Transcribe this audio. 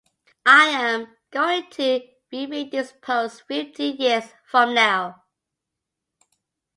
I am going to reread this post fifteen years from now.